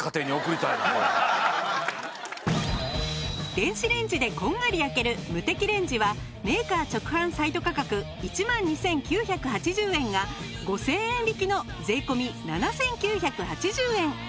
電子レンジでこんがり焼けるムテキレンジはメーカー直販サイト価格１万２９８０円が５０００円引きの税込７９８０円。